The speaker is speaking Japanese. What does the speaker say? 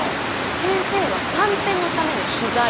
先生は短編のための取材。